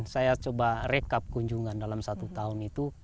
saya coba rekap kunjungan dalam satu tahun itu